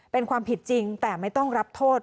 เป็นความผิดจริงแต่ไม่ต้องรับโทษ